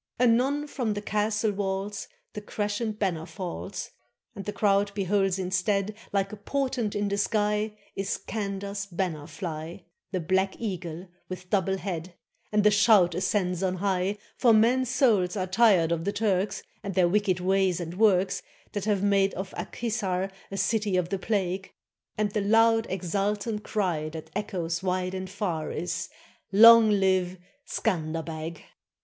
Anon from the castle walls The crescent banner falls. And the crowd beholds instead, Like a portent in the sky, Iskander's banner fly, The Black Eagle with double head ; And a shout ascends on high, For men's souls are tired of the Turks, And their wicked ways and works That have made of Ak Hissar A city of the plague ; And the loud, exultant cry 478 SCANDERBEG That echoes wide and far Is, "Long live Scanderbeg!"